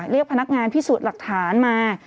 เรียกพนักงานพิสูจน์หลักฐานมา